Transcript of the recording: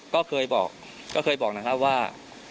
ก็เคยบอกนะครับว่า